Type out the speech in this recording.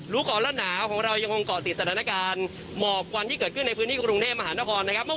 รู้ก่อนร้านหนาวของเรายังคงเกาะติดสถานการณ์